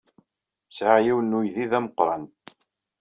Sɛiɣ yiwen n uydi d ameqran.